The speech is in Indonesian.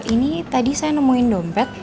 ini tadi saya nemuin dompet